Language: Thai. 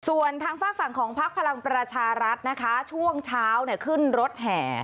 ส่วนทางฝากฝั่งของพักพลังประชารัฐนะคะช่วงเช้าขึ้นรถแห่